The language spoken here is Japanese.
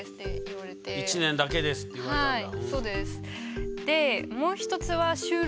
１年だけですって言われたんだ。